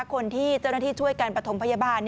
คนที่เจ้าหน้าที่ช่วยกันประถมพยาบาล